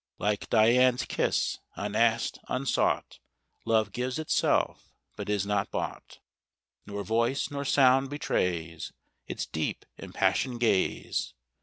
Like Dian's kiss, unasked, unsought, Love gives itself, but is not bought ; 15 Nor voice, nor sound betrays Its deep, impassioned ga/e.